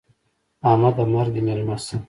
احمده! مرګ دې مېلمه سه.